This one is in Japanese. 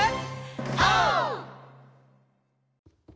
オー！